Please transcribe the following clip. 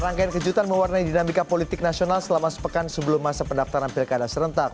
rangkaian kejutan mewarnai dinamika politik nasional selama sepekan sebelum masa pendaftaran pilkada serentak